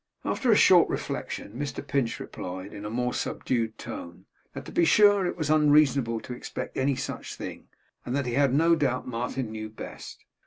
After a short reflection, Mr Pinch replied, in a more subdued tone, that to be sure it was unreasonable to expect any such thing, and that he had no doubt Martin knew best.